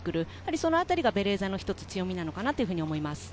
そのあたりがベレーザの強みなのかなと思います。